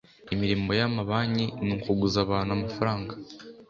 imirimo y amabanki ni ukuguza abantu amafaranga